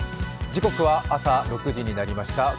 時刻は朝６時になりました。